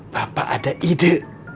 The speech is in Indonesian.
bapak ada ide